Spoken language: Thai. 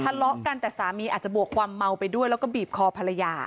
ทะเลาะกันแต่สามีอาจจะบวกความเมาไปด้วยแล้วก็บีบคอภรรยา